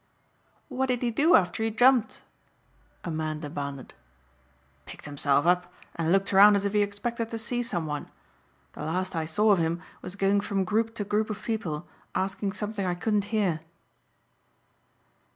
"What did he do after he jumped?" a man demanded. "Picked himself up and looked around as if he expected to see someone. The last I saw of him was going from group to group of people asking something I couldn't hear."